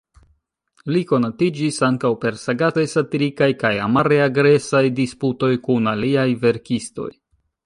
Li konatiĝis ankaŭ per sagacaj-satirikaj kaj amare-agresaj disputoj kun aliaj verkistoj.